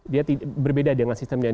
dia berbeda dengan sistem yang